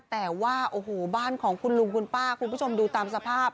แต่ว่าโอ้โหบ้านของคุณลุงคุณป้าคุณผู้ชมดูตามสภาพ